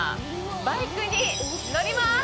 バイクに乗ります。